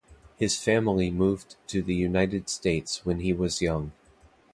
His family moved to the United States when he was young.